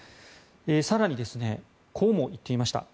更に、こうも言っていました。